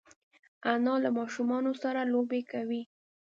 انا له ماشومانو سره لوبې کوي